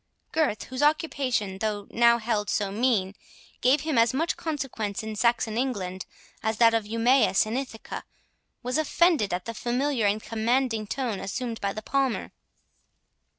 Gurth, whose occupation, though now held so mean, gave him as much consequence in Saxon England as that of Eumaeus in Ithaca, was offended at the familiar and commanding tone assumed by the Palmer.